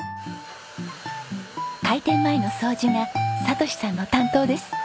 開店前の掃除が聰さんの担当です。